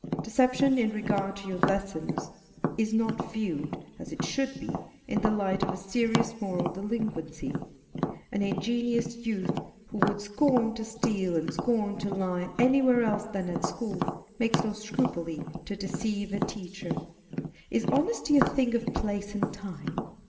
Deception in regard to your lessons is not viewed, as it should be, in the light of a serious moral delinquency. An ingenuous youth, who would scorn to steal, and scorn to lie anywhere else than at school, makes no scruple to deceive a teacher. Is honesty a thing of place and time?